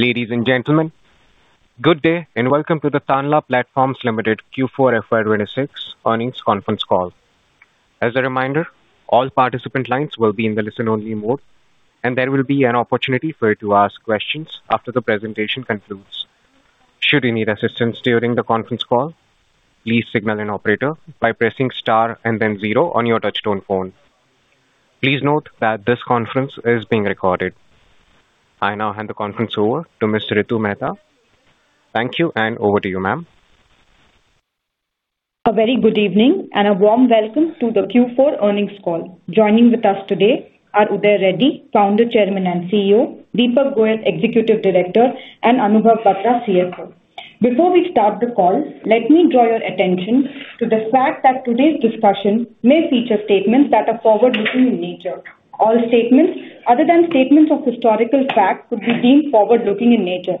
Ladies and gentlemen, good day and welcome to the Tanla Platforms Limited Q4 FY 2026 earnings conference call. As a reminder, all participant lines will be in the listen-only mode, and there will be an opportunity for you to ask questions after the presentation concludes. Should you need assistance during the conference call, please signal an operator by pressing star and then zero on your touchtone phone. Please note that this conference is being recorded. I now hand the conference over to Ms. Ritu Mehta. Thank you and over to you, ma'am. A very good evening and a warm welcome to the Q4 earnings call. Joining with us today are Uday Reddy, Founder, Chairman, and CEO; Deepak Goyal, Executive Director, and Anubhav Batra, CFO. Before we start the call, let me draw your attention to the fact that today's discussion may feature statements that are forward-looking in nature. All statements other than statements of historical fact could be deemed forward-looking in nature.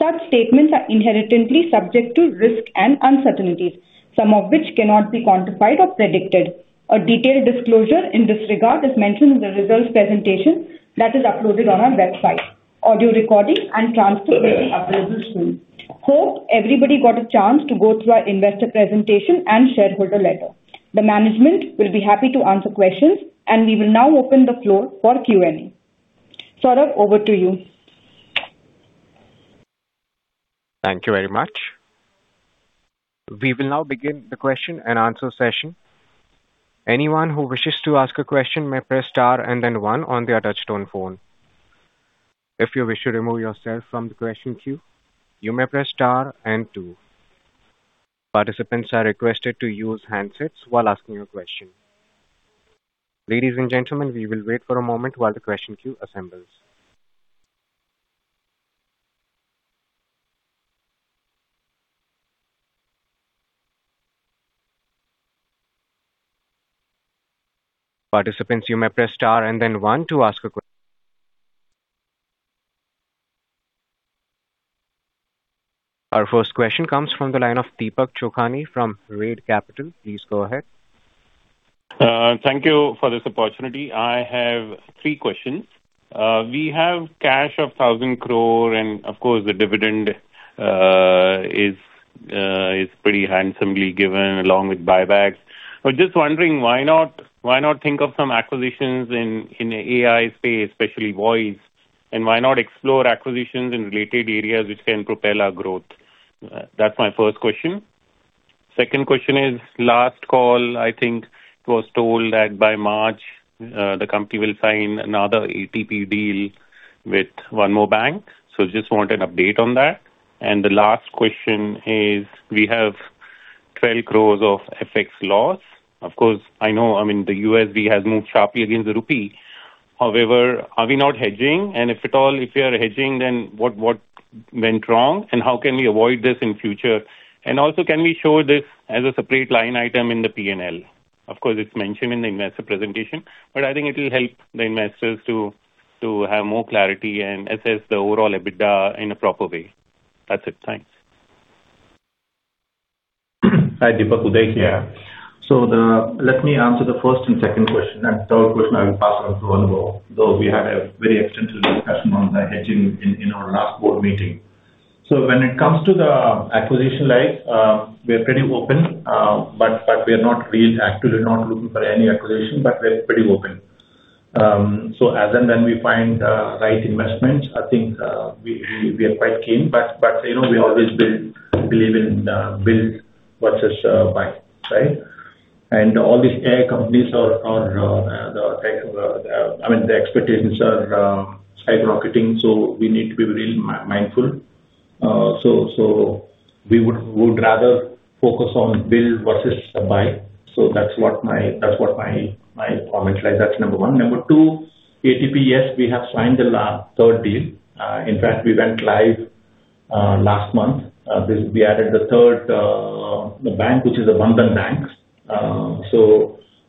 Such statements are inherently subject to risks and uncertainties, some of which cannot be quantified or predicted. A detailed disclosure in this regard is mentioned in the results presentation that is uploaded on our website. Audio recording and transcript will be uploaded soon. Hope everybody got a chance to go through our investor presentation and shareholder letter. The management will be happy to answer questions, and we will now open the floor for Q&A. Saurav, over to you. Thank you very much. We will now begin the question and answer session. Anyone who wishes to ask a question may press star and then one on their touchtone phone. If you wish to remove yourself from the question queue, you may press star and two. Participants are requested to use handsets while asking your question. Ladies and gentlemen, we will wait for a moment while the question queue assembles. Participants, you may press star and then one to ask a question. Our first question comes from the line of Deepak Chokhani from Red Capital. Please go ahead. Thank you for this opportunity. I have three questions. We have cash of 1,000 crore, and of course, the dividend is pretty handsomely given along with buybacks. I'm just wondering why not think of some acquisitions in the AI space, especially voice, and why not explore acquisitions in related areas which can propel our growth? That's my first question. Second question is, last call, I think it was told that by March the company will sign another ATP deal with one more bank. So just want an update on that. The last question is we have 12 crore of FX loss. Of course, I know, I mean, the USD has moved sharply against the rupee. However, are we not hedging? If at all, if we are hedging, then what went wrong and how can we avoid this in future? Also can we show this as a separate line item in the P&L? Of course, it's mentioned in the investor presentation, but I think it'll help the investors to have more clarity and assess the overall EBITDA in a proper way. That's it. Thanks. Hi, Deepak. Uday here. Let me answer the first and second question and third question I will pass on to Anubhav, though we had a very extensive discussion on the hedging in our last board meeting. When it comes to the acquisition life, we are pretty open, but we are not really actively not looking for any acquisition, but we're pretty open. As and when we find right investments, I think, we are quite keen. You know, we always believe in build versus buy, right? All these AI companies are, I mean, the expectations are skyrocketing, so we need to be really mindful. We would rather focus on build versus buy. That's what my comment, right? That's number one. Number two, ATP, yes, we have signed the third deal. In fact, we went live last month. We added the third bank, which is Bandhan Bank.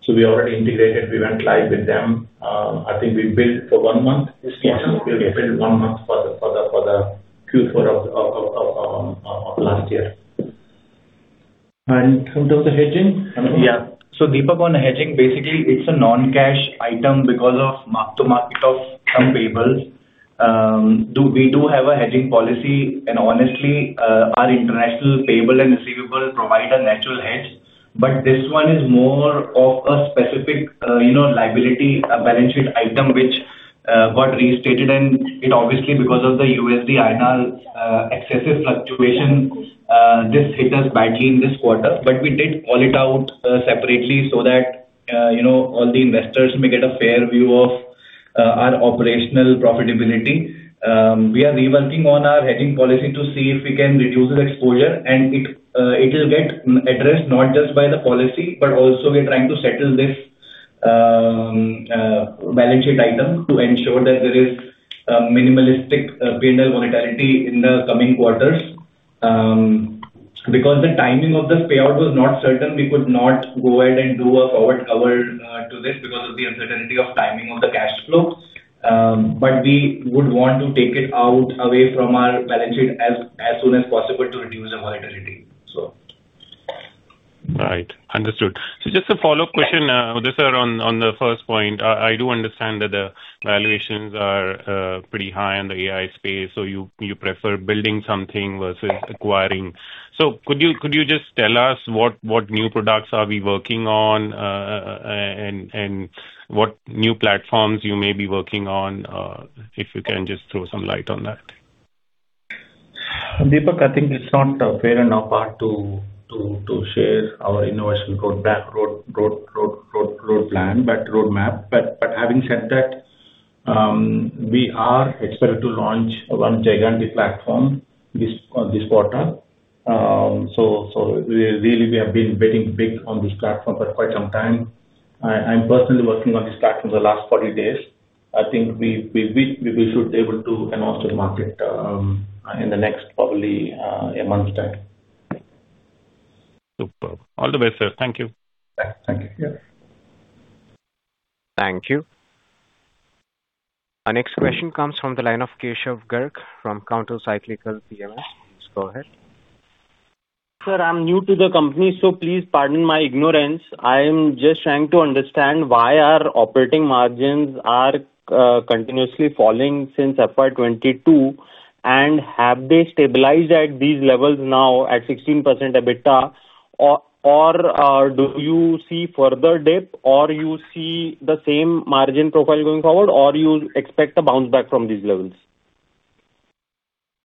We already integrated. We went live with them. I think we billed for one month. Yes. We billed one month for the Q4 of last year. In terms of hedging. Yeah. Deepak, on the hedging, basically it's a non-cash item because of mark to market of some payables. We do have a hedging policy and honestly, our international payable and receivable provide a natural hedge. This one is more of a specific, you know, liability, a balance sheet item which got restated and it obviously because of the USD-INR excessive fluctuation, this hit us badly in this quarter. We did call it out separately so that, you know, all the investors may get a fair view of our operational profitability. We are reworking on our hedging policy to see if we can reduce the exposure and it will get addressed not just by the policy, but also we are trying to settle this balance sheet item to ensure that there is minimalistic P&L volatility in the coming quarters. Because the timing of this payout was not certain, we could not go ahead and do a forward cover to this because of the uncertainty of timing of the cash flow. We would want to take it out away from our balance sheet as soon as possible to reduce the volatility. Right. Understood. Just a follow-up question, Uday sir, on the first point. I do understand that the valuations are pretty high in the AI space, so you prefer building something versus acquiring. Could you just tell us what new products are we working on, and what new platforms you may be working on? If you can just throw some light on that. Deepak, I think it's not fair on our part to share our innovation roadmap. Having said that, we are expected to launch one gigantic platform this quarter. Really we have been betting big on this platform for quite some time. I'm personally working on this platform for the last 40 days. I think we should be able to announce to the market in the next probably a month's time. Superb. All the best, sir. Thank you. Thank you. Thank you. Our next question comes from the line of Keshav Garg from Counter-Cyclical PMS. Please go ahead. Sir, I'm new to the company, so please pardon my ignorance. I'm just trying to understand why our operating margins are continuously falling since FY 2022, and have they stabilized at these levels now at 16% EBITDA? Or do you see further dip or you see the same margin profile going forward, or you expect a bounce back from these levels?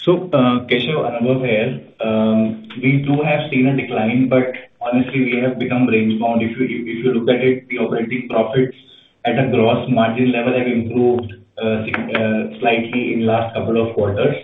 Keshav, Anubhav here. We do have seen a decline, but honestly we have become range bound. If you look at it, the operating profits at a gross margin level have improved slightly in last couple of quarters.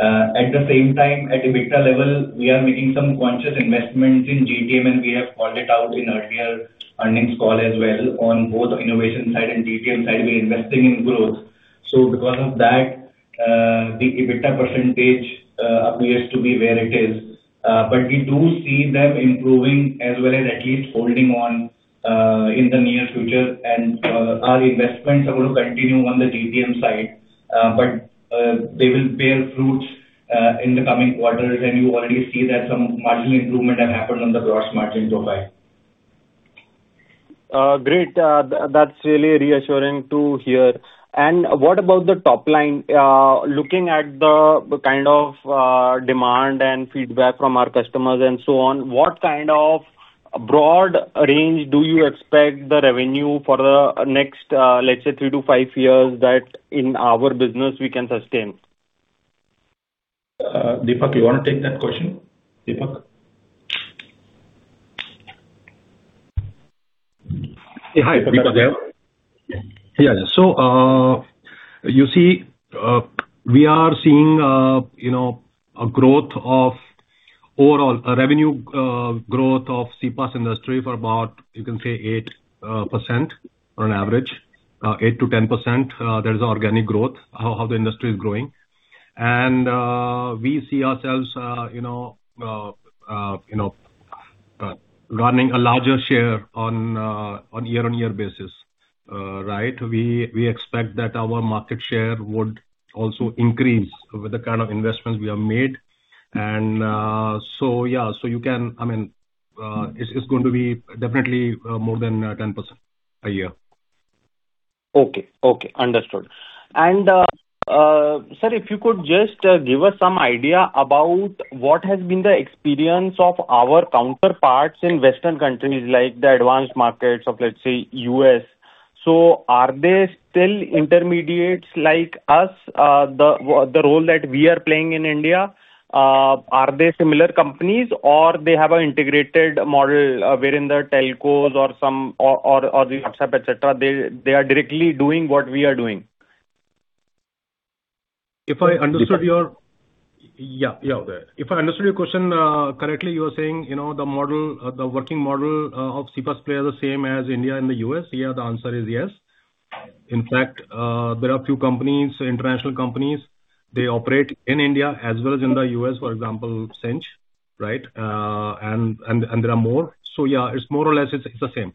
At the same time, at EBITDA level, we are making some conscious investments in GTM, and we have called it out in earlier earnings call as well. On both innovation side and GTM side, we are investing in growth. Because of that, the EBITDA percentage appears to be where it is. We do see them improving as well as at least holding on in the near future. Our investments are gonna continue on the GTM side, they will bear fruits in the coming quarters. You already see that some margin improvement have happened on the gross margin profile. Great. That's really reassuring to hear. What about the top line? Looking at the kind of demand and feedback from our customers and so on, what kind of broad range do you expect the revenue for the next, let's say three to five years that in our business we can sustain? Deepak, you wanna take that question? Deepak? Hi, Deepak here. Yeah. You see, we are seeing, you know, a growth of overall revenue, growth of CPaaS industry for about, you can say, 8% on average. 8%-10% that is organic growth, how the industry is growing. We see ourselves, you know, running a larger share on year-on-year basis. Right? We expect that our market share would also increase with the kind of investments we have made. Yeah. I mean, it's going to be definitely more than 10% a year. Okay. Understood. Sir, if you could just give us some idea about what has been the experience of our counterparts in Western countries like the advanced markets of, let's say, U.S. Are they still intermediaries like us? The role that we are playing in India, are they similar companies or they have an integrated model, wherein the telcos or the WhatsApp, et cetera, they are directly doing what we are doing? If I understood your- Yeah, yeah. If I understood your question correctly, you are saying, you know, the model, the working model, of CPaaS player is the same as India and the U.S. Yeah, the answer is yes. In fact, there are few companies, international companies, they operate in India as well as in the U.S., for example, Sinch, right? And there are more. Yeah, it's more or less the same.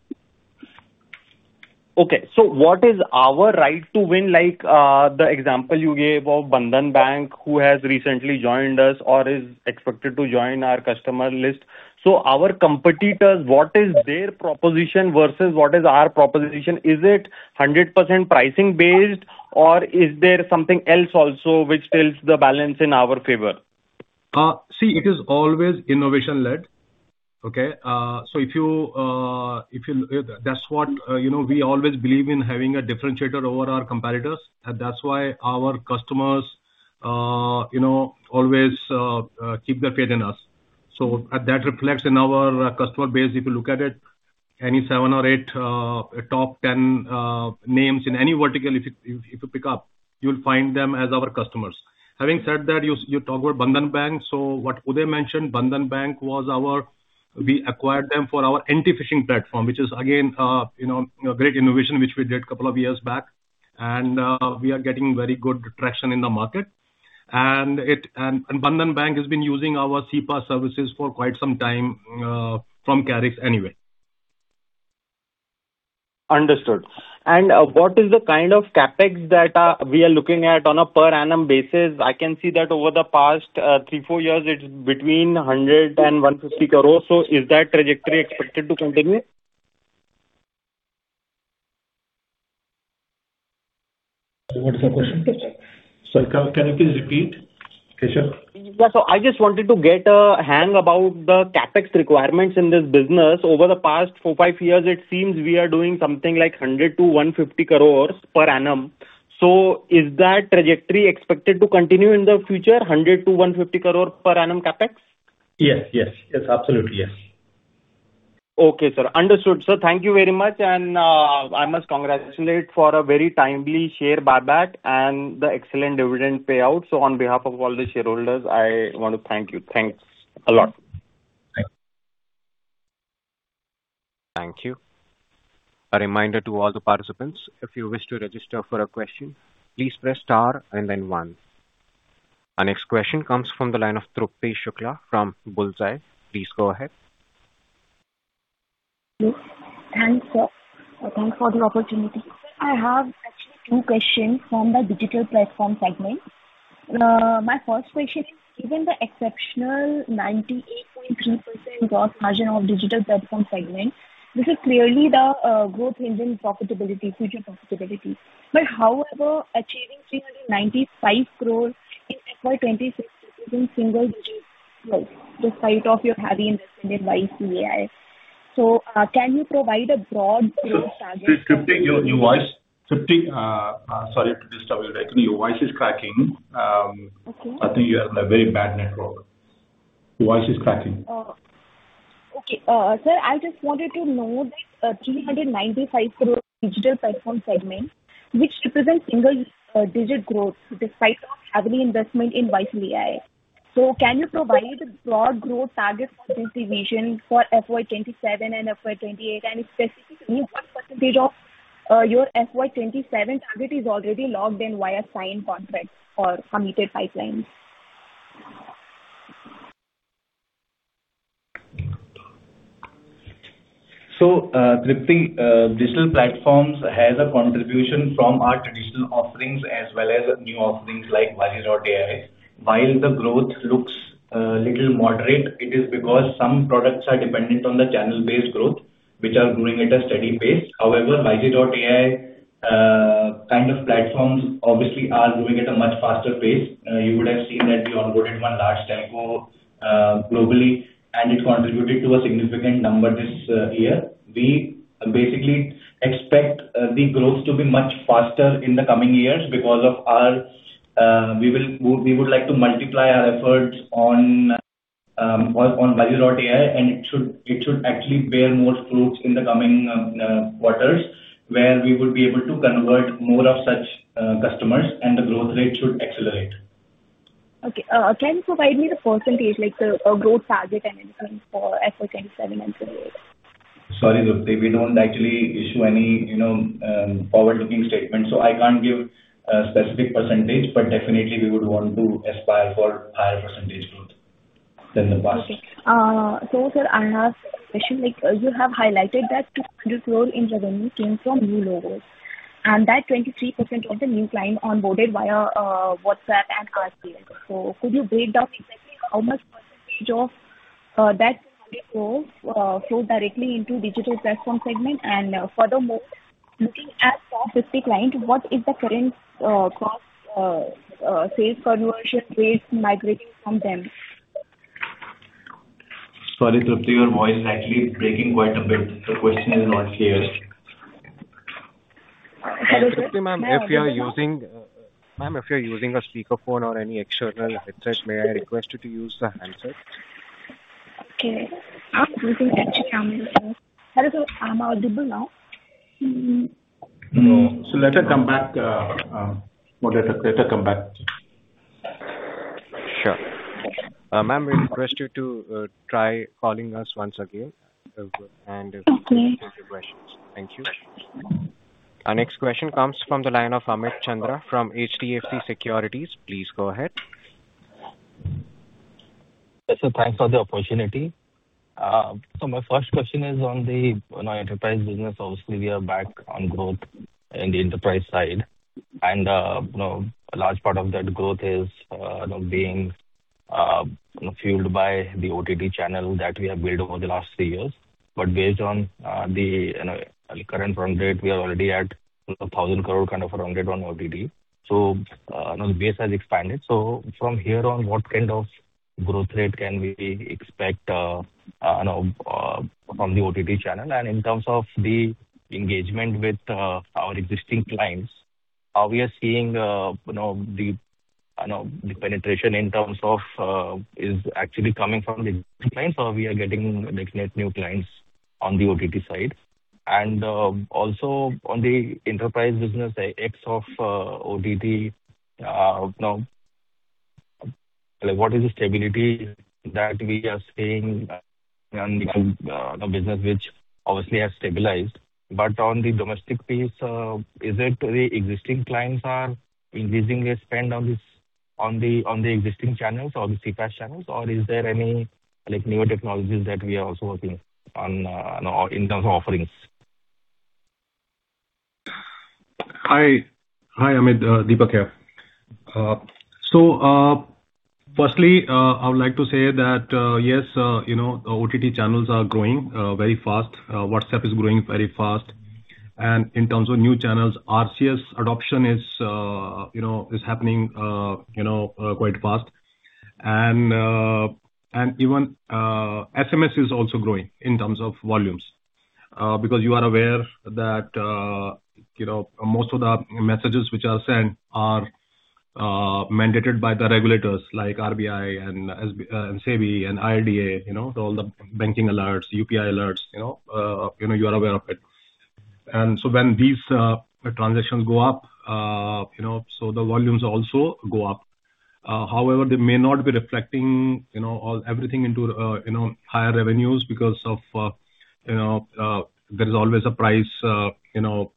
Okay. What is our right to win, like, the example you gave of Bandhan Bank, who has recently joined us or is expected to join our customer list. Our competitors, what is their proposition versus what is our proposition? Is it 100% pricing based, or is there something else also which tilts the balance in our favor? See, it is always innovation led. Okay? If you... That's what, you know, we always believe in having a differentiator over our competitors. That's why our customers, you know, always keep their faith in us. That reflects in our customer base, if you look at it. Any seven or eight top 10 names in any vertical if you pick up, you'll find them as our customers. Having said that, you talk about Bandhan Bank. What Uday mentioned, Bandhan Bank was our... We acquired them for our anti-phishing platform, which is again, you know, a great innovation which we did couple of years back. We are getting very good traction in the market. Bandhan Bank has been using our CPaaS services for quite some time from Karix anyway. Understood. What is the kind of CapEx that we are looking at on a per annum basis? I can see that over the past three, four years, it's between 100 crore and 150 crore. Is that trajectory expected to continue? What is the question? Sir, can you please repeat, Keshav? Yeah. I just wanted to get a handle about the CapEx requirements in this business. Over the past four to five years, it seems we are doing something like 100 crore-150 crore per annum. Is that trajectory expected to continue in the future, 100 crore-150 crore per annum CapEx? Yes, yes. Yes, absolutely yes. Okay, sir. Understood. Sir, thank you very much. I must congratulate you for a very timely share buyback and the excellent dividend payout. On behalf of all the shareholders, I want to thank you. Thanks a lot. Thank you. A reminder to all the participants, if you wish to register for a question, please press star and then one. Our next question comes from the line of Trupti Shukla from Bulls Eye. Please go ahead. Yes. Thanks, sir. Thanks for the opportunity. I have actually two questions from the Digital Platform segment. My first question is, given the exceptional 98.3% gross margin of Digital Platform segment, this is clearly the growth engine profitability, future profitability. However, achieving 395 crores in FY 2026 is in single digits growth, despite your heavy investment in Wisely.ai. Can you provide a broad- Trupti, your voice. Trupti, sorry to disturb you, but actually your voice is cracking. Okay. I think you have a very bad network. Your voice is cracking. Sir, I just wanted to know that 395 crore Digital Platform segment, which represents single-digit growth despite of heavy investment in Wisely.ai. Can you provide broad growth targets for this division for FY 2027 and FY 2028? Specifically, what percentage of your FY 2027 target is already logged in via signed contracts or committed pipelines? Trupti, Digital Platforms has a contribution from our traditional offerings as well as new offerings like Wisely.ai. While the growth looks little moderate, it is because some products are dependent on the channel-based growth, which are growing at a steady pace. However, Wisely kind of platforms obviously are growing at a much faster pace. You would have seen that we onboarded one large telco globally, and it contributed to a significant number this year. We basically expect the growth to be much faster in the coming years because of our we would like to multiply our efforts on Wisely.ai, And it should actually bear more fruits in the coming quarters, where we would be able to convert more of such customers and the growth rate should accelerate. Okay. Can you provide me the percentage, like the, growth target and increase for FY 2027 and so on? Sorry, Trupti. We don't actually issue any, you know, forward-looking statements, so I can't give a specific percentage, but definitely we would want to aspire for higher percentage growth than the past. Okay, sir, another question. Like, you have highlighted that 200 crores in revenue came from new logos, and that 23% of the new client onboarded via WhatsApp and RCS. Could you break down exactly how much percentage of that INR 20 crores flowed directly into Digital Platforms segment? Furthermore, looking at top 50 client, what is the current cross sales conversion rates migrating from them? Sorry, Trupti, your voice is actually breaking quite a bit. The question is not clear. Trupti, ma'am, if you're using a speakerphone or any external headset, may I request you to use the handset? Okay. I'm using actually camera, sir. Hello, sir. Am I audible now? No. Let her come back, or let her come back. Sure. Ma'am, we request you to try calling us once again. Okay. Ask your questions. Thank you. Our next question comes from the line of Amit Chandra from HDFC Securities. Please go ahead. Yes, sir. Thanks for the opportunity. My first question is on the Enterprise business. Obviously, we are back on growth in the Enterprise side. A large part of that growth is being fueled by the OTT channel that we have built over the last three years. Based on the current run rate, we are already at 1,000 crore kind of run rate on OTT. Now the base has expanded. From here on, what kind of growth rate can we expect from the OTT channel? In terms of the engagement with our existing clients, are we seeing you know the penetration in terms of is actually coming from the existing clients or we are getting net new clients on the OTT side? Also on the Enterprise business, ex OTT, you know like what is the stability that we are seeing on the business which obviously has stabilized. But on the domestic piece, is it the existing clients are increasing their spend on the on the existing channels or the CPaaS channels or is there any like newer technologies that we are also working on in terms of offerings? Hi. Hi, Amit, Deepak here. Firstly, I would like to say that, yes, you know, OTT channels are growing very fast. WhatsApp is growing very fast. In terms of new channels, RCS adoption is happening, you know, quite fast. Even SMS is also growing in terms of volumes. Because you are aware that, you know, most of the messages which are sent are mandated by the regulators like RBI and SEBI and IRDAI, you know, so all the banking alerts, UPI alerts, you know, you are aware of it. When these transactions go up, you know, so the volumes also go up. However, they may not be reflecting, you know, everything into, you know, higher revenues because of, you know, there is always a price, you know,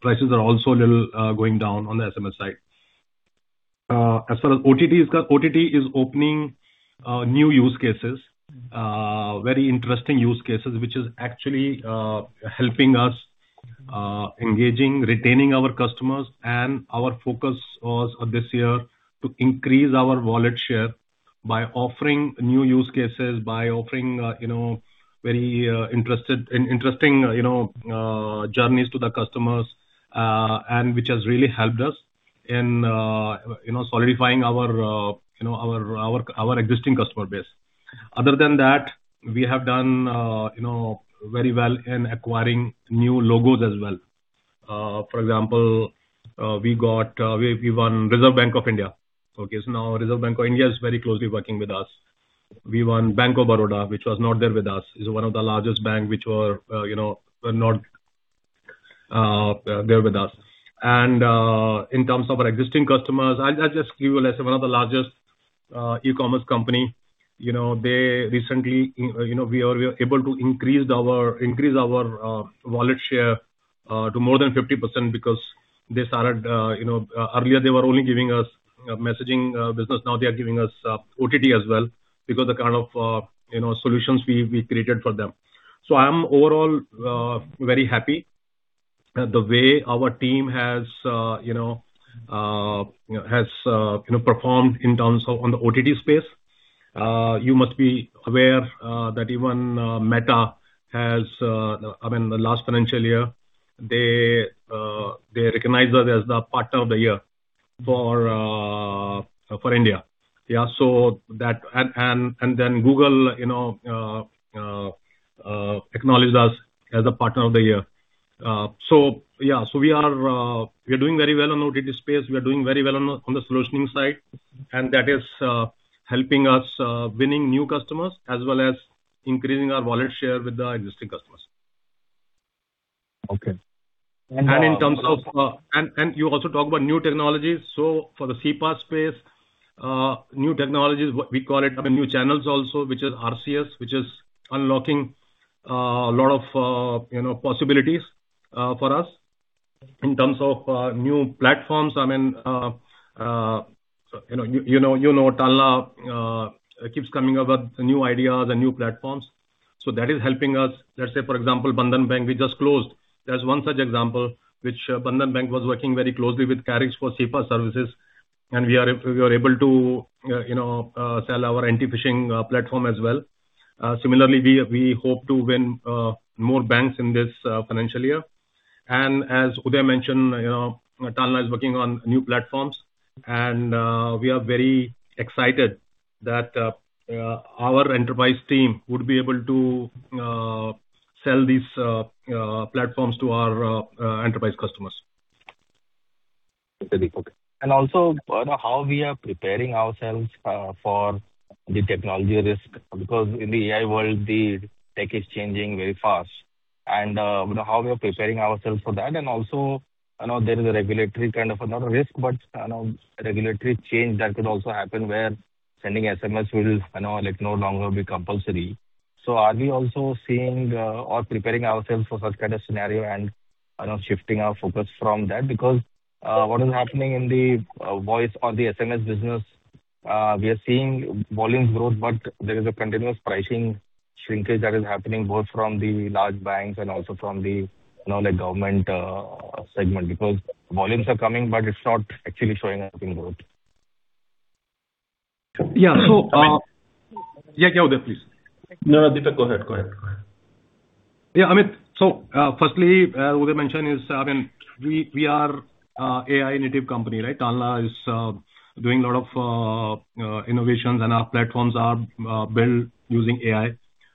prices are also a little going down on the SMS side. As far as OTT is concerned, OTT is opening new use cases, very interesting use cases, which is actually helping us engaging, retaining our customers. Our focus was this year to increase our wallet share by offering new use cases, by offering, you know, very interesting, you know, journeys to the customers, and which has really helped us in, you know, solidifying our, you know, our existing customer base. Other than that, we have done, you know, very well in acquiring new logos as well. For example, we won Reserve Bank of India. Okay. Now Reserve Bank of India is very closely working with us. We won Bank of Baroda, which was not there with us. It's one of the largest banks which were not there with us. In terms of our existing customers, I'll just give you one example, one of the largest e-commerce company. You know, they recently, you know, we are able to increase our wallet share to more than 50% because they started, you know, earlier they were only giving us a messaging business. Now they are giving us OTT as well because the kind of solutions we created for them. I'm overall very happy the way our team has performed in terms of on the OTT space. You must be aware that even Meta has, I mean, the last financial year, they recognized us as the Partner of the Year for India. Then Google acknowledged us as a Partner of the Year. We are doing very well on OTT space. We are doing very well on the solutioning side, and that is helping us winning new customers as well as increasing our wallet share with the existing customers. Okay. You also talk about new technologies. For the CPaaS space, new technologies, we call it, I mean, new channels also, which is RCS, which is unlocking a lot of, you know, possibilities for us. In terms of new platforms, I mean, you know Tanla keeps coming up with new ideas and new platforms, so that is helping us. Let's say for example, Bandhan Bank, we just closed. There's one such example which Bandhan Bank was working very closely with Karix for CPaaS services, and we are able to, you know, sell our anti-phishing platform as well. Similarly, we hope to win more banks in this financial year. As Uday mentioned, you know, Tanla is working on new platforms. We are very excited that our enterprise team would be able to sell these platforms to our enterprise customers. Okay, Deepak. Also how we are preparing ourselves for the technology risk, because in the AI world, the tech is changing very fast. How we are preparing ourselves for that. Also, you know, there is a regulatory kind of a, not a risk, but you know, regulatory change that could also happen where sending SMS will, you know, like no longer be compulsory. Are we also seeing or preparing ourselves for such kind of scenario and, you know, shifting our focus from that? Because what is happening in the voice or the SMS business, we are seeing volumes growth, but there is a continuous pricing shrinkage that is happening both from the large banks and also from the, you know, like government segment. Because volumes are coming, but it's not actually showing up in growth. Yeah. Yeah, Uday, please. No, Deepak, go ahead. Yeah, Amit. Firstly, Uday mentioned is, I mean, we are AI native company, right? Tanla is doing a lot of innovations and our platforms are built using AI,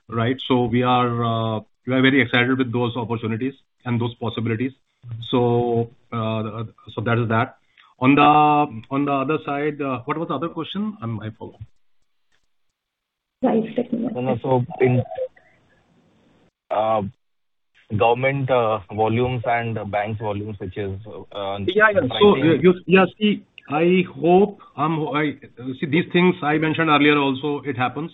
right? We are very excited with those opportunities and those possibilities. That is that. On the other side, what was the other question? I forgot. No, no. In government volumes and banks volumes, which is Yeah. See, I hope these things I mentioned earlier also, it happens.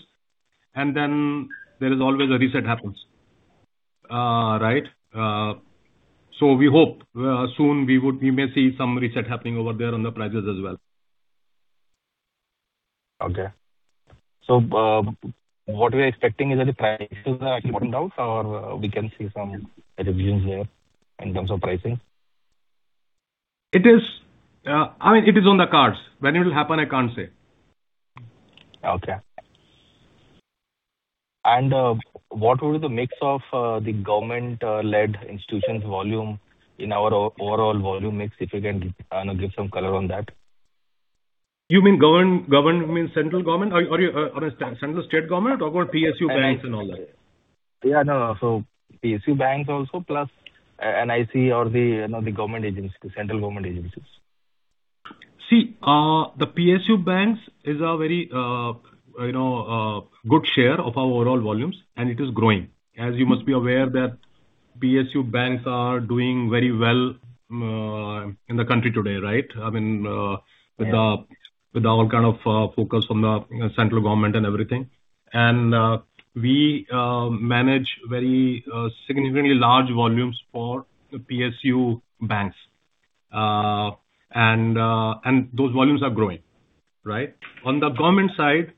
There is always a reset happens. Right. We hope soon we may see some reset happening over there on the prices as well. What we are expecting is that the prices are coming down or we can see some reductions there in terms of pricing. It is, I mean, it is on the cards. When it'll happen, I can't say. What would be the mix of the government-led institutions volume in our overall volume mix, if you can give some color on that. You mean government? Government means central government or central state government or PSU banks and all that? Yeah, no. PSU banks also, plus NIC or the, you know, the government agency, central government agencies. See, the PSU banks is a very, you know, good share of our overall volumes, and it is growing. As you must be aware that PSU banks are doing very well, in the country today, right? I mean, With our kind of focus on the central government and everything. We manage very significantly large volumes for PSU banks. Those volumes are growing, right? On the government side,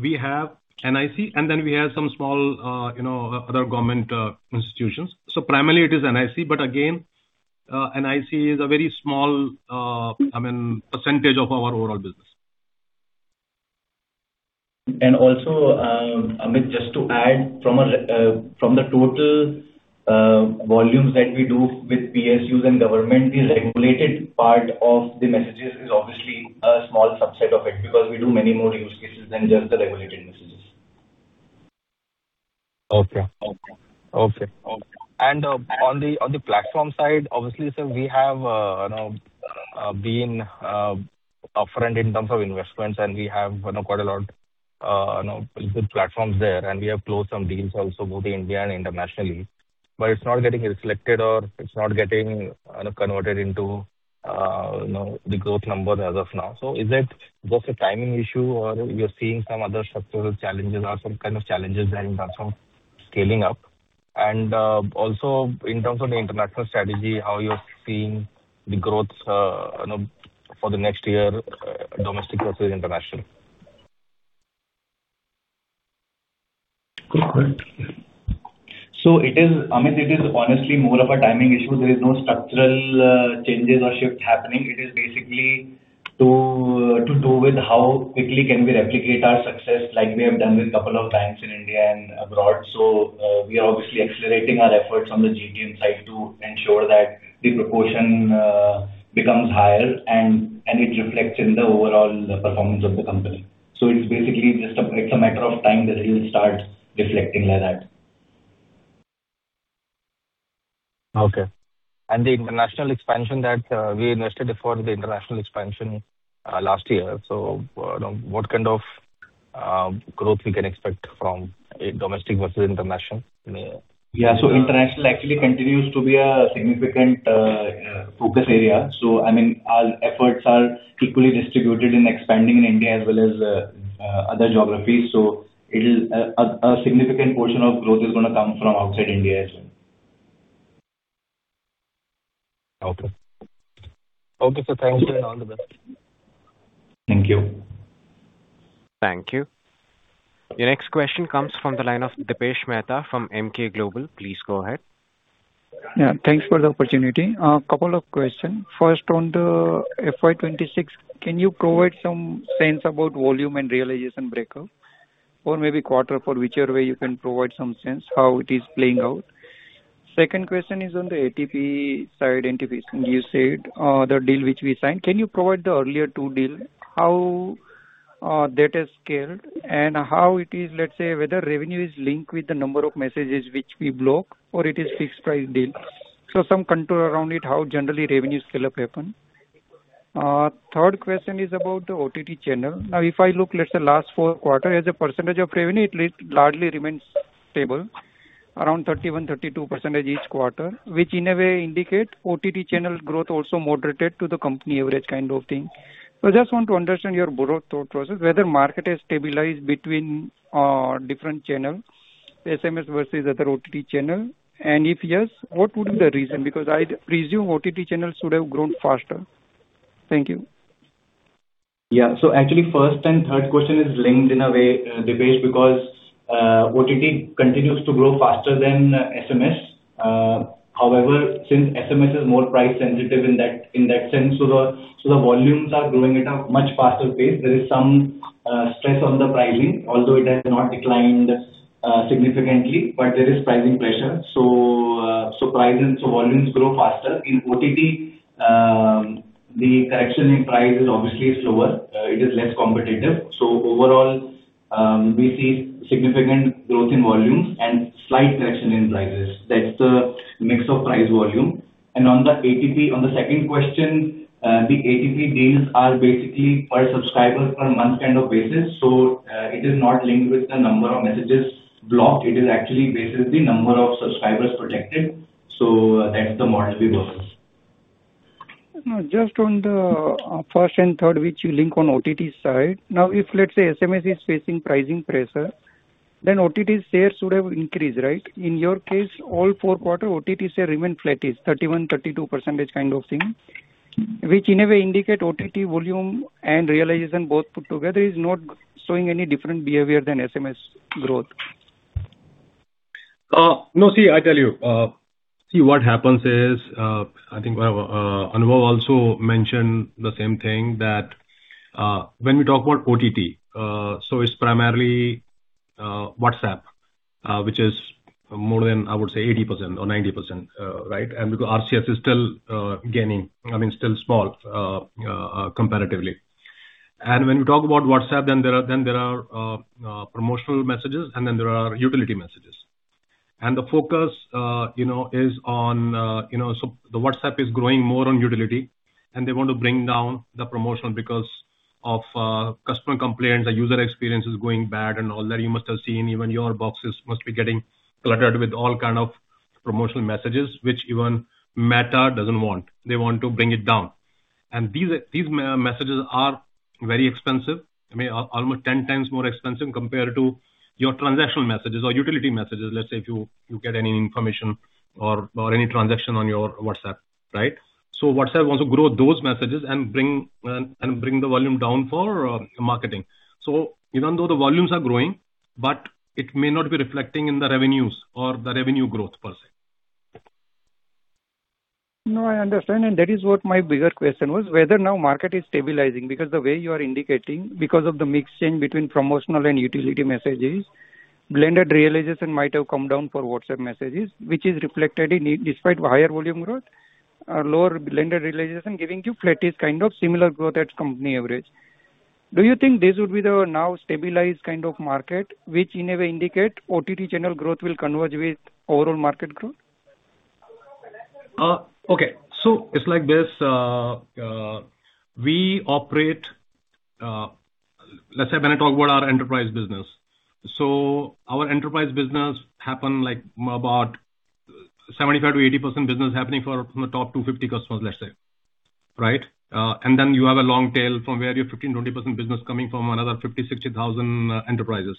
we have NIC, and then we have some small, you know, other government institutions. So primarily it is NIC, but again, NIC is a very small, I mean, percentage of our overall business. Amit, just to add from the total volumes that we do with PSUs and government, the regulated part of the messages is obviously a small subset of it, because we do many more use cases than just the regulated messages. Okay. On the platform side, obviously, sir, we have you know been upfront in terms of investments, and we have you know quite a lot you know good platforms there, and we have closed some deals also, both in India and internationally. But it's not getting reflected or it's not getting converted into you know the growth number as of now. Is it just a timing issue or you're seeing some other structural challenges or some kind of challenges in terms of scaling up? Also in terms of the international strategy, how you're seeing the growth you know for the next year domestic versus international? It is, Amit, it is honestly more of a timing issue. There is no structural changes or shifts happening. It is basically to do with how quickly can we replicate our success like we have done with couple of banks in India and abroad. We are obviously accelerating our efforts on the GTM side to ensure that the proportion becomes higher and it reflects in the overall performance of the company. It's basically just a matter of time that it will start reflecting like that. Okay. The international expansion that we invested for last year. What kind of growth we can expect from domestic versus international in a year? Yeah. International actually continues to be a significant focus area. I mean, our efforts are equally distributed in expanding in India as well as other geographies. A significant portion of growth is gonna come from outside India as well. Okay, thanks and all the best. Thank you. Thank you. The next question comes from the line of Dipesh Mehta from Emkay Global. Please go ahead. Yeah, thanks for the opportunity. Couple of questions. First, on the FY 2026, can you provide some sense about volume and realization breakout? Or maybe quarter for whichever way you can provide some sense how it is playing out. Second question is on the ATP side interface. You said, the deal which we signed, can you provide the earlier two deal? How, that has scaled and how it is, let's say, whether revenue is linked with the number of messages which we block or it is fixed price deal. So some contour around it, how generally revenue scale-up happen. Third question is about the OTT channel. Now if I look, let's say last four quarters, as a percentage of revenue, it largely remains stable, around 31%-32% each quarter, which in a way indicate OTT channel growth also moderated to the company average kind of thing. I just want to understand your broad thought process, whether the market has stabilized between different channels, SMS versus other OTT channel. If yes, what would be the reason? Because I'd presume OTT channels should have grown faster. Thank you. Yeah. Actually first and third question is linked in a way, Dipesh, because OTT continues to grow faster than SMS. However, since SMS is more price sensitive in that sense, the volumes are growing at a much faster pace. There is some stress on the pricing, although it has not declined significantly, but there is pricing pressure. Pricing, volumes grow faster. In OTT, the correction in price is obviously slower. It is less competitive. Overall, we see significant growth in volumes and slight correction in prices. That's the mix of price volume. On the ATP, on the second question, the ATP deals are basically per subscriber per month kind of basis. It is not linked with the number of messages blocked. It is actually based on the number of subscribers protected. That's the model we work with. No, just on the first and third, which you link on OTT side. Now, if let's say, SMS is facing pricing pressure, then OTT shares should have increased, right? In your case, all four quarter OTT share remain flattish, 31%, 32% kind of thing, which in a way indicate OTT volume and realization both put together is not showing any different behavior than SMS growth. No. See, I tell you, see what happens is, I think Anubhav also mentioned the same thing that, when we talk about OTT, so it's primarily WhatsApp, which is more than, I would say, 80% or 90%, right? Because RCS is still gaining, I mean, still small, comparatively. When we talk about WhatsApp, then there are promotional messages, and then there are utility messages. The focus, you know, is on, you know. The WhatsApp is growing more on utility, and they want to bring down the promotion because of customer complaints. The user experience is going bad and all that. You must have seen even your boxes must be getting cluttered with all kind of promotional messages, which even Meta doesn't want. They want to bring it down. These messages are very expensive. I mean, almost 10 times more expensive compared to your transactional messages or utility messages. Let's say if you get any information or any transaction on your WhatsApp, right? WhatsApp wants to grow those messages and bring the volume down for marketing. Even though the volumes are growing, but it may not be reflecting in the revenues or the revenue growth per se. No, I understand. That is what my bigger question was, whether now market is stabilizing because the way you are indicating, because of the mixing between promotional and utility messages, blended realization might have come down for WhatsApp messages, which is reflected in, despite higher volume growth, lower blended realization giving you flattish kind of similar growth as company average. Do you think this would be the now stabilized kind of market, which in a way indicate OTT channel growth will converge with overall market growth? Okay. It's like this. We operate. Let's say when I talk about our Enterprise business. Our enterprise business happen, like, about 75%-80% business happening from the top 250 customers, let's say. Right? Then you have a long tail from where your 15%-20% business coming from another 50,000-60,000 enterprises.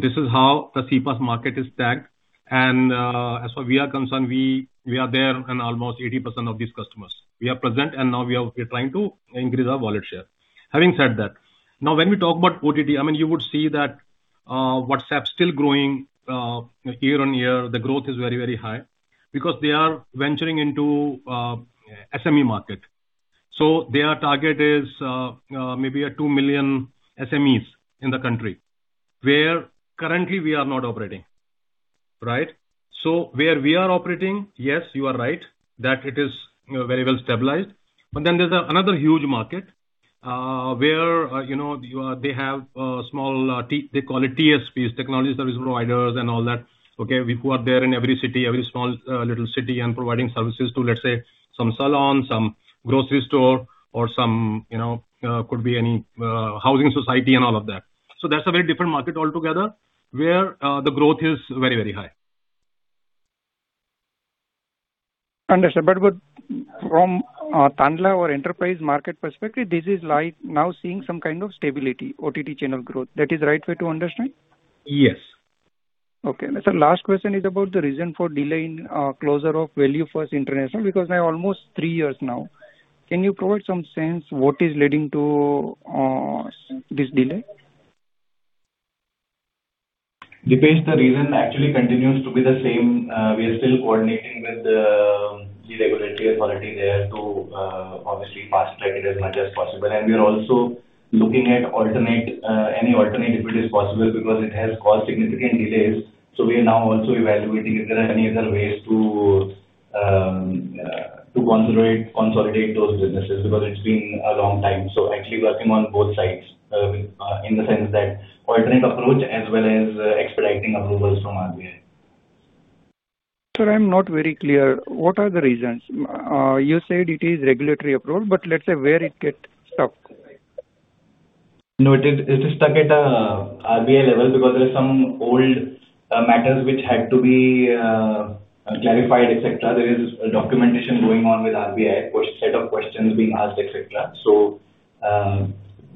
This is how the CPaaS market is stacked. As far as we are concerned, we are there in almost 80% of these customers. We are present, and now we are trying to increase our wallet share. Having said that, now when we talk about OTT, I mean, you would see that, WhatsApp still growing year-over-year. The growth is very, very high because they are venturing into SME market. Their target is maybe 2 million SMEs in the country, where currently we are not operating, right? Where we are operating, yes, you are right, that it is, you know, very well stabilized. But then there's another huge market, where, you know, they have small TSPs, technology service providers and all that, okay, who are there in every city, every small little city and providing services to, let's say, some salon, some grocery store or some, you know, could be any housing society and all of that. That's a very different market altogether, where the growth is very, very high. Understood. From Tanla or enterprise market perspective, this is like now seeing some kind of stability, OTT channel growth. That is the right way to understand? Yes. Okay. Sir, last question is about the reason for delay in closure of ValueFirst International, because now almost three years now. Can you provide some sense what is leading to this delay? Dipesh, the reason actually continues to be the same. We are still coordinating with the regulatory authority there to obviously fast-track it as much as possible. We are also looking at any alternate, if it is possible, because it has caused significant delays. We are now also evaluating if there are any other ways to consolidate those businesses, because it's been a long time. Actually working on both sides, in the sense that alternate approach as well as expediting approvals from RBI. Sir, I'm not very clear. What are the reasons? You said it is regulatory approval, but let's say where it got stuck. No, it is stuck at RBI level because there's some old matters which had to be clarified, et cetera. There is a documentation going on with RBI, set of questions being asked, et cetera.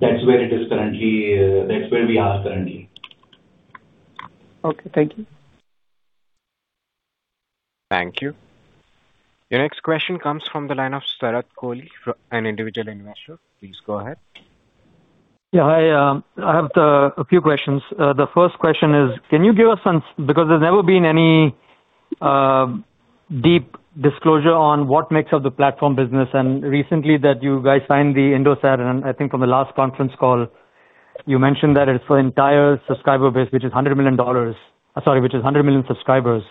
That's where it is currently. That's where we are currently. Okay. Thank you. Thank you. Your next question comes from the line of Sharad Kohli an individual investor. Please go ahead. Yeah. Hi, I have a few questions. The first question is, can you give us some. Because there's never been any deep disclosure on what makes up the platform business. Recently you guys signed Indosat, and I think on the last conference call, you mentioned that it's for entire subscriber base, which is $100 million. Sorry, which is 100 million subscribers.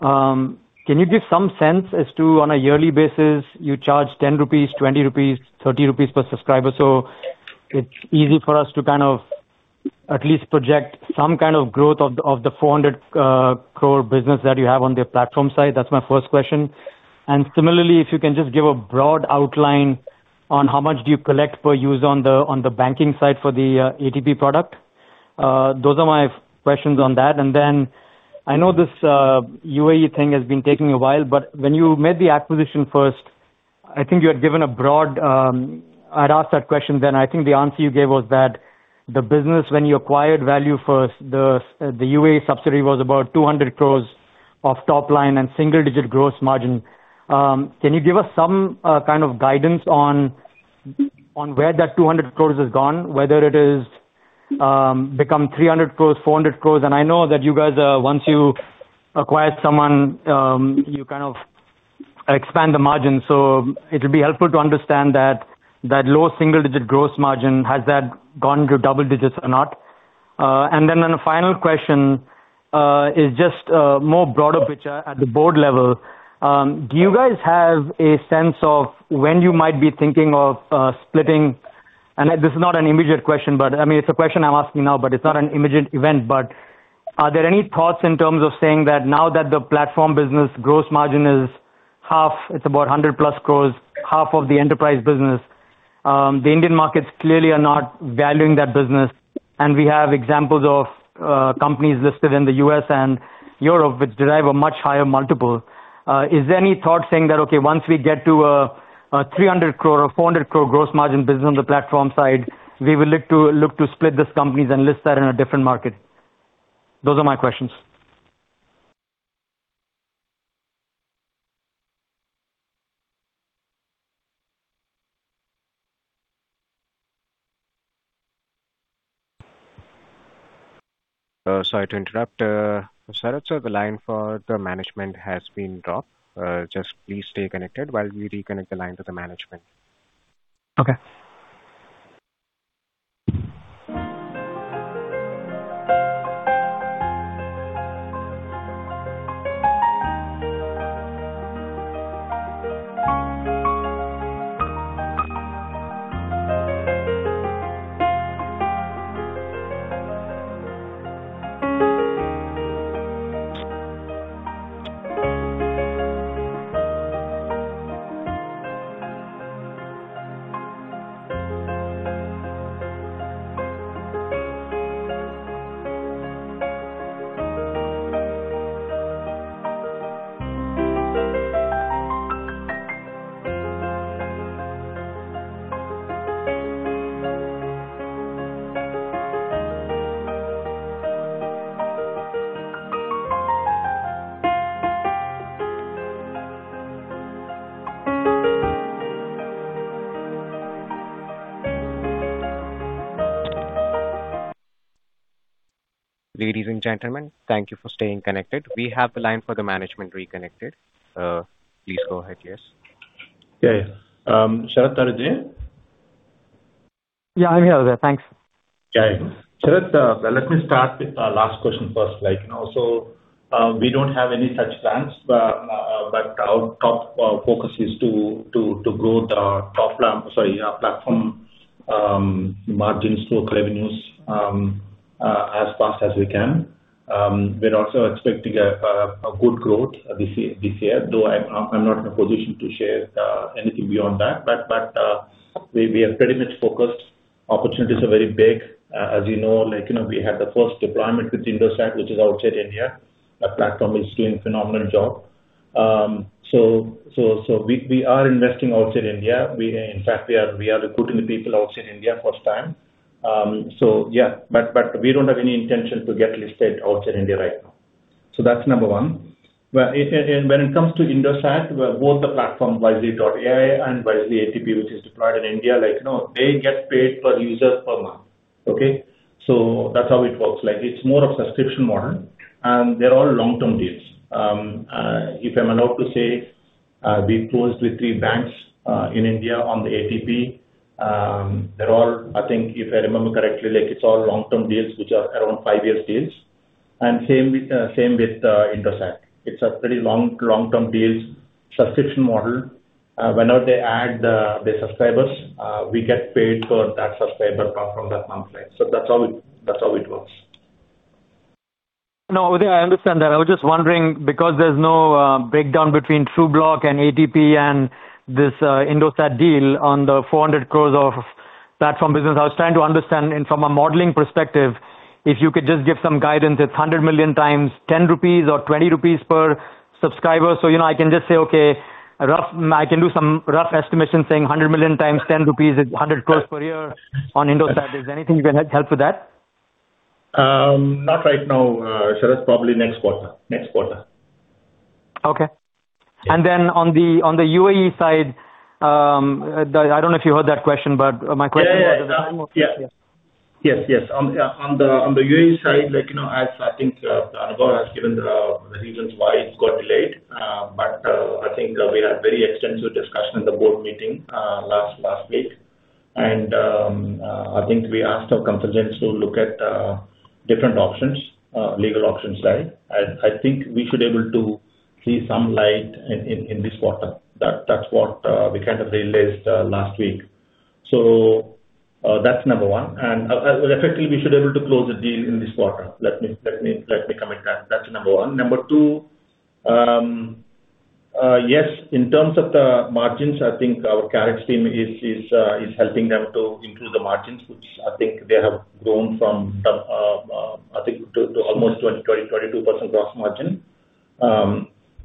Can you give some sense as to, on a yearly basis, you charge 10 rupees, 20 rupees, 30 rupees per subscriber, so it's easy for us to kind of at least project some kind of growth of the 400 crore business that you have on the platform side? That's my first question. Similarly, if you can just give a broad outline on how much do you collect per user on the banking side for the ATP product? Those are my questions on that. Then I know this UAE thing has been taking a while, but when you made the acquisition first, I think you had given a broad. I'd asked that question then. I think the answer you gave was that the business when you acquired ValueFirst, the UAE subsidiary was about 200 crore of top line and single digit gross margin. Can you give us some kind of guidance on where that 200 crore has gone, whether it has become 300 crore, 400 crore? I know that you guys, once you acquire someone, you kind of expand the margin, so it would be helpful to understand that low single digit gross margin, has that gone to double digits or not? Then a final question is just more broader picture at the board level. Do you guys have a sense of when you might be thinking of splitting? This is not an immediate question, but I mean, it's a question I'm asking now, but it's not an immediate event. But are there any thoughts in terms of saying that now that the platform business gross margin is half, it's about 100+ crores, half of the Enterprise business, the Indian markets clearly are not valuing that business. We have examples of companies listed in the U.S. and Europe which derive a much higher multiple. Is there any thought saying that, okay, once we get to a 300 crore or 400 crore gross margin business on the platform side, we will look to split this companies and list that in a different market? Those are my questions. Sorry to interrupt. Sharad, sir, the line for the management has been dropped. Just please stay connected while we reconnect the line to the management. Okay. Ladies and gentlemen, thank you for staying connected. We have the line for the management reconnected. Please go ahead. Yes. Yeah. Sharad are you there? Yeah, I'm here. Thanks. Yeah. Sharad, let me start with our last question first. Like, you know, we don't have any such plans, but our top focus is to grow our platform margins to revenues as fast as we can. We're also expecting a good growth this year, though I'm not in a position to share anything beyond that. We are pretty much focused. Opportunities are very big. As you know, like, you know, we have the first deployment with Indosat, which is outside India. That platform is doing phenomenal job. We are investing outside India. We in fact are recruiting the people outside India first time. Yeah. We don't have any intention to get listed outside India right now. That's number one. If and when it comes to Indosat, both the platform, Wisely.ai And Wisely ATP, which is deployed in India, they get paid per user per month. Okay? That's how it works. It's more of subscription model, and they're all long-term deals. If I'm allowed to say, we closed with three banks in India on the ATP. They're all I think if I remember correctly, it's all long-term deals which are around five-year deals, and same with Indosat. It's a pretty long-term deals subscription model. Whenever they add the subscribers, we get paid for that subscriber from that month, right. That's how it works. No. I understand that. I was just wondering because there's no breakdown between Trubloq and ATP and this Indosat deal on the 400 crore of platform business. I was trying to understand and from a modeling perspective, if you could just give some guidance, it's 100 million times 10 rupees or 20 rupees per subscriber. So, you know, I can just say, okay, rough. I can do some rough estimation saying 100 million times 10 rupees is 100 crore per year on Indosat. Is there anything you can help with that? Not right now, Sharad. Probably next quarter. Okay. On the UAE side, I don't know if you heard that question, but my question Yeah, yeah. Yeah. Yeah. Yes. Yes. On the UAE side, like, you know, as I think Anubhav has given the reasons why it got delayed. I think we had very extensive discussion in the board meeting last week. I think we asked our consultants to look at different options, legal options side. I think we should be able to see some light in this quarter. That's what we kind of realized last week. That's number one. Effectively we should be able to close the deal in this quarter. Let me commit that. That's number one. Number two, yes. In terms of the margins, I think our Karix team is helping them to improve the margins, which I think they have grown from some to almost 22% gross margin.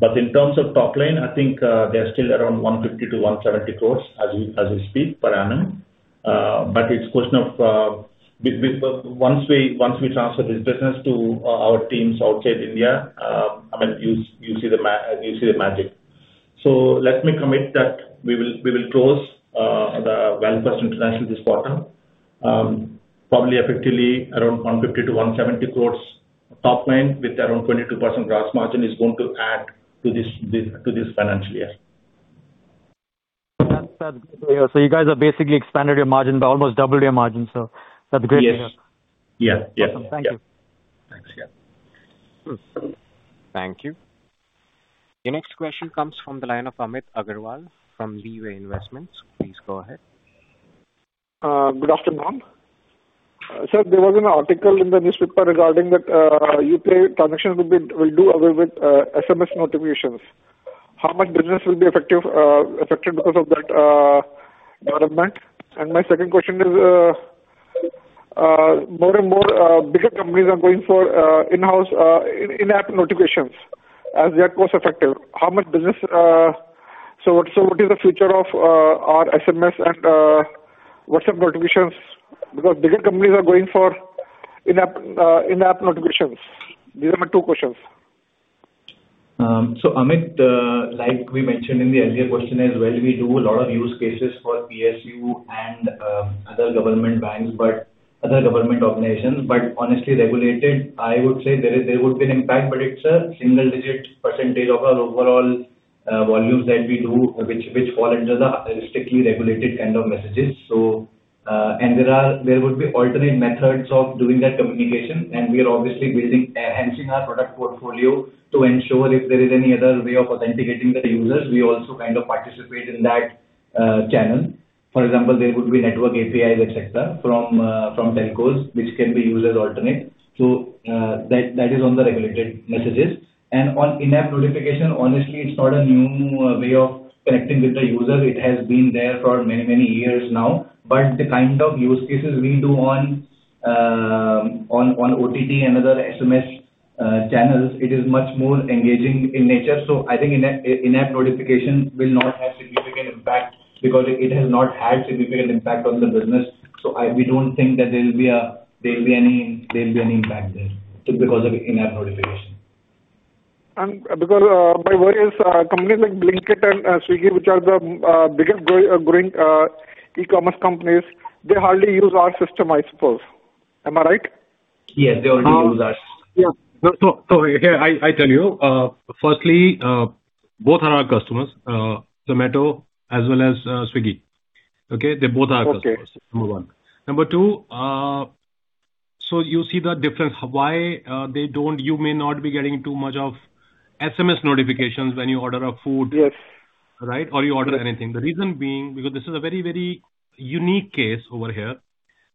In terms of top line, I think they're still around 150 crores-170 crores as we speak per annum. It's a question of once we transfer this business to our teams outside India, I mean, you see the magic. Let me commit that we will close the ValueFirst International this quarter. Probably effectively around 150 crores-170 crores top line with around 22% gross margin is going to add to this financial year. That's good to hear. You guys have basically expanded your margin by almost double your margin, that's great to hear. Yes. Yeah. Yeah. Awesome. Thank you. Thanks. Yeah. Thank you. The next question comes from the line of Amit Agarwal from Leeway Investments. Please go ahead. Good afternoon. Sir, there was an article in the newspaper regarding that, UPI connections will do away with SMS notifications. How much business will be affected because of that development? My second question is, more and more bigger companies are going for in-house in-app notifications as that was effective. How much business... So what is the future of our SMS and WhatsApp notifications? Because bigger companies are going for in-app notifications. These are my two questions. Amit, like we mentioned in the earlier question as well, we do a lot of use cases for PSU and other government banks, but other government organizations. Honestly regulated, I would say there would be an impact, but it's a single-digit percentage of our overall volumes that we do which fall under the strictly regulated kind of messages. There would be alternate methods of doing that communication, and we are obviously building, enhancing our product portfolio to ensure if there is any other way of authenticating the users, we also kind of participate in that channel. For example, there would be network APIs, et cetera, from telcos which can be used as alternate. That is on the regulated messages. On in-app notification, honestly, it's not a new way of connecting with the user. It has been there for many, many years now. The kind of use cases we do on OTT and other SMS channels, it is much more engaging in nature. I think in-app notification will not have significant impact because it has not had significant impact on the business. We don't think that there will be any impact there just because of in-app notification. Because my worry is, companies like Blinkit and Swiggy, which are the biggest growing e-commerce companies, they hardly use our system, I suppose. Am I right? Yes. They already use us. Yeah. Here I tell you, firstly, both are our customers, Zomato as well as, Swiggy. Okay. They both are our customers. Okay. Number one. Number two, you see the difference why they don't. You may not be getting too much of SMS notifications when you order a food- Yes. Right? Or you order anything. The reason being because this is a very, very unique case over here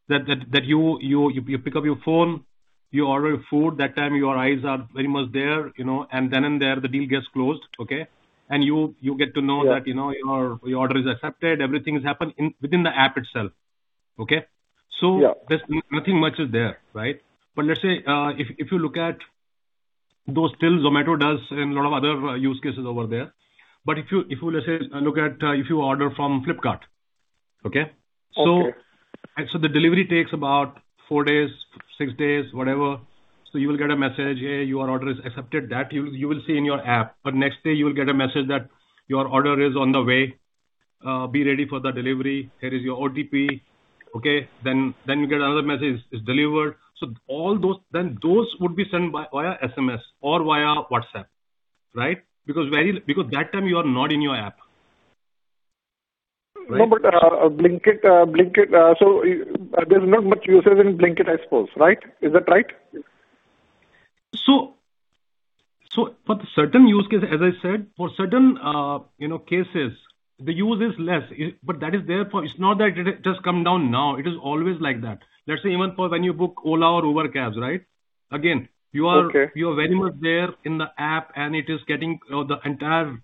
that you pick up your phone, you order your food, that time your eyes are very much there, you know, and then in there the deal gets closed. Okay? You get to know that. Yeah. You know, your order is accepted. Everything has happened within the app itself. Okay? Yeah. There's nothing much, is there, right? Let's say if you look at those deals Zomato does and a lot of other use cases over there. If you order from Flipkart, okay? Okay. The delivery takes about four days, six days, whatever. You will get a message, "Hey, your order is accepted." That you will see in your app. Next day you will get a message that, "Your order is on the way. Be ready for the delivery. Here is your OTP." Okay? You get another message, "It's delivered." All those would be sent via SMS or via WhatsApp, right? Because that time you are not in your app. No, but. Blinkit, so there's not much usage in Blinkit, I suppose, right? Is that right? For certain use case, as I said, for certain, you know, cases, the use is less. It. that is therefore it's not that it has just come down now. It is always like that. Let's say even for when you book Ola or Uber cabs, right? Again, you are- Okay. You are very much there in the app and it is getting, the entire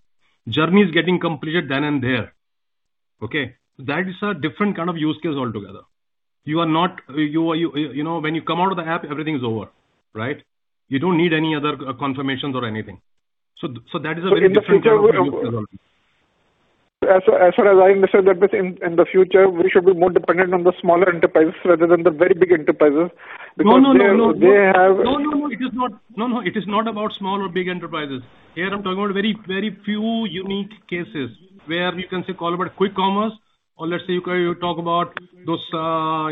journey is getting completed then and there. Okay? That is a different kind of use case altogether. You are not, you know, when you come out of the app, everything is over, right? You don't need any other confirmations or anything. That is a very different kind of use case altogether. As far as I understand that, but in the future, we should be more dependent on the smaller enterprises rather than the very big enterprises. No, no, no. Because they have. No. It is not about small or big enterprises. Here I'm talking about very, very few unique cases where we can say call about quick commerce or let's say you talk about those,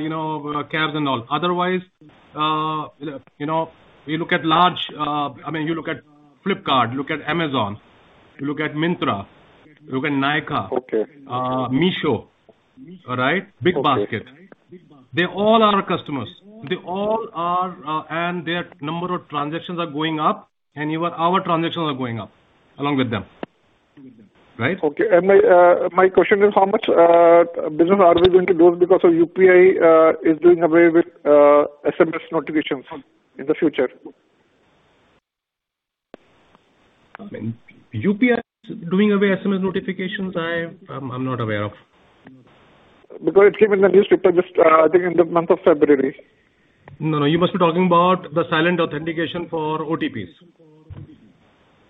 you know, cabs and all. Otherwise, you know, you look at large, I mean, you look at Flipkart, look at Amazon, you look at Myntra, you look at Nykaa. Okay. Meesho. All right? Okay. BigBasket. They all are our customers, and their number of transactions are going up and even our transactions are going up along with them. Right? Okay. My question is how much business are we going to lose because of UPI is doing away with SMS notifications in the future? UPI doing away with SMS notifications, I'm not aware of. Because it came in the newspaper just, I think in the month of February. No, no. You must be talking about the silent authentication for OTPs.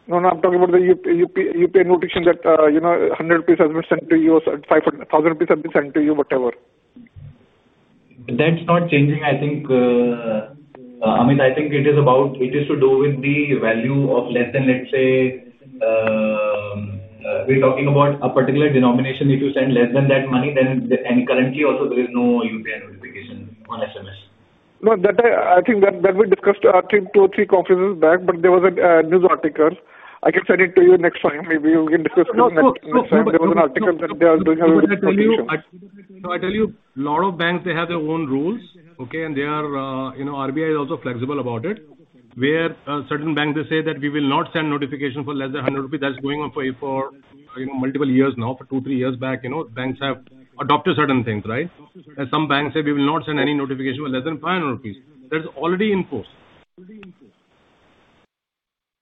No, I'm talking about the UPI notification that, you know, 100 rupees have been sent to you or 50,000 rupees have been sent to you, whatever. That's not changing. I think, Amit, it is to do with a value less than, let's say, we're talking about a particular denomination. If you send less than that money, then and currently also there is no UPI notification on SMS. No, I think that we discussed, I think, two or three conferences back, but there was a news article. I can send it to you next time. Maybe we can discuss it next time. There was an article that they are doing away with notifications. No, I tell you, a lot of banks, they have their own rules, okay? They are, RBI is also flexible about it. Where certain banks, they say that we will not send notification for less than 100 rupees. That's going on for multiple years now. For two, three years back, banks have adopted certain things, right? Some banks say, "We will not send any notification for less than 500 rupees." That's already in force.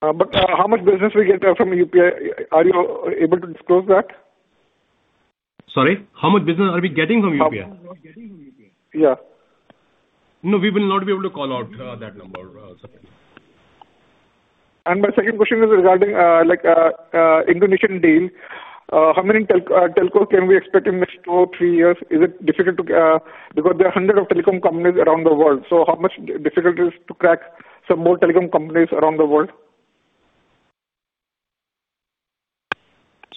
How much business we get from UPI? Are you able to disclose that? Sorry? How much business are we getting from UPI? Yeah. No, we will not be able to call out that number, sorry. My second question is regarding the Indonesian deal. How many telco can we expect in next two, three years? Is it difficult? Because there are 100s of telecom companies around the world, so how much difficulty is it to crack some more telecom companies around the world?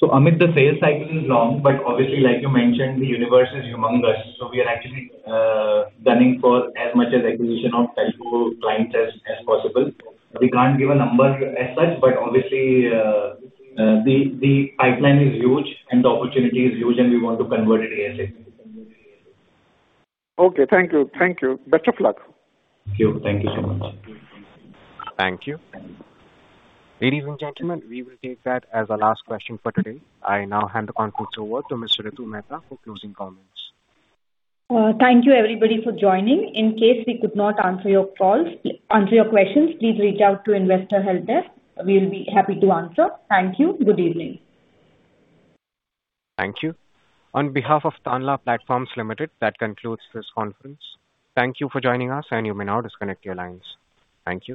Amit, the sales cycle is long, but obviously, like you mentioned, the universe is humongous. We are actually gunning for as much acquisition of telco clients as possible. We can't give a number as such, but obviously the pipeline is huge and the opportunity is huge, and we want to convert it ASAP. Okay. Thank you. Best of luck. Thank you. Thank you so much. Thank you. Ladies and gentlemen, we will take that as our last question for today. I now hand the conference over to Ms. Ritu Mehta for closing comments. Thank you, everybody, for joining. In case we could not answer your calls, answer your questions, please reach out to investor helpdesk. We'll be happy to answer. Thank you. Good evening. Thank you. On behalf of Tanla Platforms Limited, that concludes this conference. Thank you for joining us, and you may now disconnect your lines. Thank you.